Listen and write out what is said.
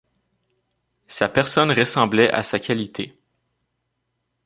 Sa personne ressemblait à sa qualité.